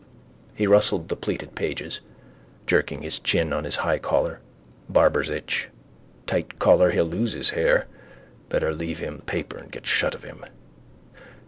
He rustled the pleated pages, jerking his chin on his high collar. Barber's itch. Tight collar he'll lose his hair. Better leave him the paper and get shut of him.